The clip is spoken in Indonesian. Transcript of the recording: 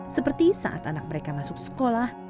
seperti saat anak mereka masuk sekolah